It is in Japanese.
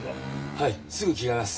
はいすぐ着替えます。